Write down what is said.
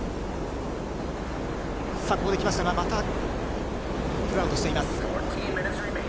さあ、ここできましたが、またクラウドしています。